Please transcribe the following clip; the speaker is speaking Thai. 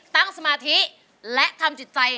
สมาธิและทำจิตใจ